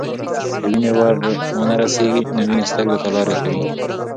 که وینې ور ونه رسیږي، نو وینې سترګو ته لارې کوي.